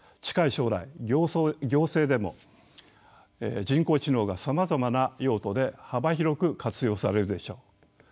近い将来行政でも人工知能がさまざまな用途で幅広く活用されるでしょう。